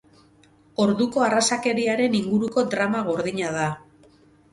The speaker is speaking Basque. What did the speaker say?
Orduko arrazakeriaren inguruko drama gordina da.